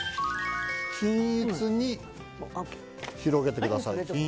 均一に広げてください。